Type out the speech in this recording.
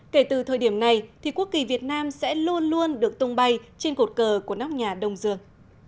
kể từ thời điểm này thì quốc kỳ việt nam sẽ luôn luôn được tung bay trên cột cờ của nóc nhà đông dương